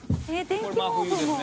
「これ真冬ですね」